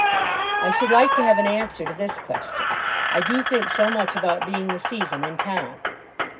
I should like to have an answer to this question. I do think so much about being the season in town!